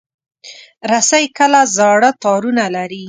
رسۍ کله زاړه تارونه لري.